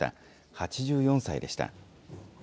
８４歳でした。